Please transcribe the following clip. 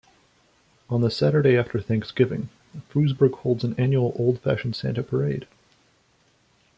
On the Saturday after Thanksgiving, Frewsburg holds an annual Old Fashioned Santa Parade.